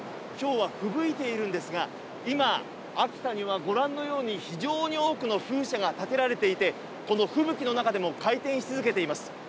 今日はふぶいているんですが今、秋田にはご覧のように非常に多くの風車が建てられていてこの吹雪の中でも回転し続けています。